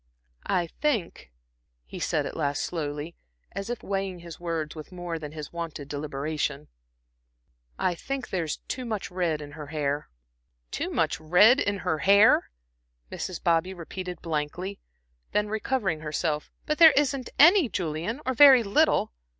"I think," he said at last slowly, and as if weighing his words with more than his wonted deliberation, "I think there's too much red in her hair." "Too much red in her hair," Mrs. Bobby repeated blankly; then recovering herself: "But there isn't any, Julian, or very little.